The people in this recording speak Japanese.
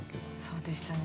そうでしたね。